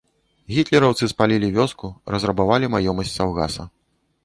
Гітлераўцы спалілі вёску, разрабавалі маёмасць саўгаса.